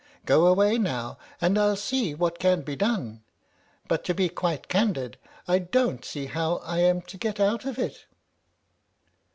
Go away now and I'll see what can be done. But to be quite candid, I don't see how I am to get out of it."